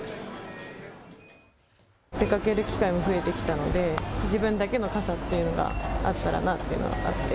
出かける機会も増えてきたので自分だけの傘っていうのがあったらなっていうのがあって。